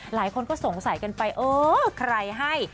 หลายคนก็สงสัยกันไปเออใครให้